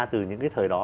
từ những cái thời đó